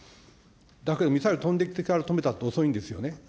だけどミサイル飛んできてから止めたって遅いんですよ。